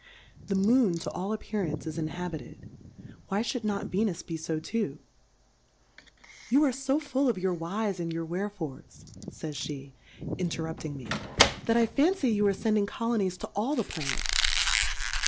The Moon, to all Appearance, is in habited, why fhould not J^enus be fo too I Yoo are fo full of your Whys, and your Wherefores, fays (he ^ inter rupting me, that I fancy you are fend ing Colonies to all the Planets.